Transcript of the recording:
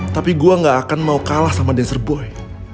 tapi gue gak akan mau kalah sama dancer boy